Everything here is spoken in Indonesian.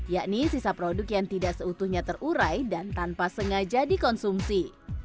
yakni sisa produk yang tidak seutuhnya terurai dan tanpa sengaja dikonsumsi